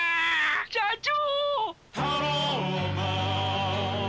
社長！